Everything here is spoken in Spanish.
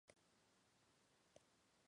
Okada debutaría en Impact!